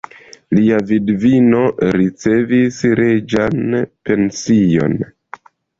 Lia vidvino ricevis reĝan pension.